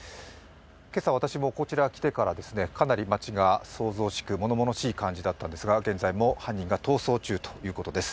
今朝、私もこちらに来てからかなり町が騒々しく、ものものしい感じだったんですが、現在も犯人が逃走中だということです。